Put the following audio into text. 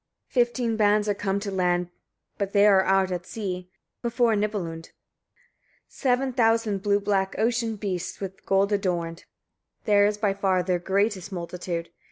49. Fifteen bands are come to land; but there are out at sea, before Gnipalund, seven thousand blue black ocean beasts with gold adorned; there is by far their greatest multitude.